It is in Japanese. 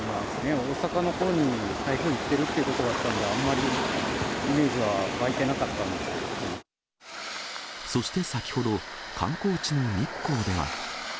大阪のほうに台風行ってるってことだったんで、あまりイメージはそして先ほど、観光地の日光では。